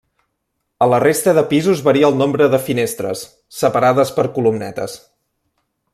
A la resta de pisos varia el nombre de finestres, separades per columnetes.